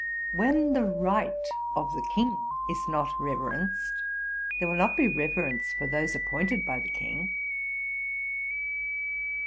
When the right of the King is not reverenced, there will not be reverence for those appointed by the King.'